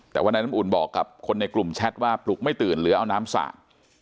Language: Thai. แต่ว่านายน้ำอุ่นบอกกับคนในกลุ่มแชทว่าปลุกไม่ตื่นหรือเอาน้ำสาด